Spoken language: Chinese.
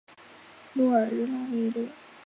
诺尔日拉维勒。